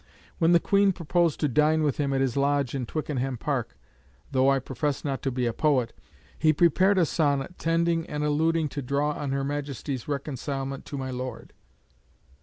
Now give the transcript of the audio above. When the Queen proposed to dine with him at his lodge in Twickenham Park, "though I profess not to be a poet," he "prepared a sonnet tending and alluding to draw on her Majesty's reconcilement to my Lord."